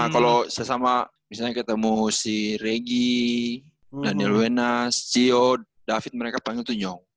kalau sesama misalnya ketemu si regi daniel wenas cio david mereka panggil tuh yong